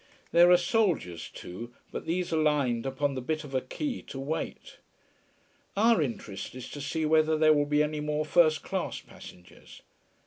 There are soldiers too but these are lined upon the bit of a quay, to wait. Our interest is to see whether there will be any more first class passengers.